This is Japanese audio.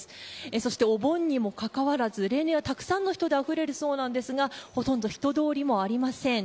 そして、お盆にもかかわらず例年はたくさんの人であふれるそうなんですがほとんど人通りもありません。